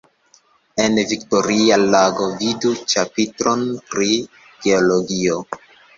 En Viktoria lago vidu ĉapitron pri Geologio.